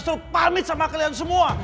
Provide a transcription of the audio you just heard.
itu pamit sama kalian semua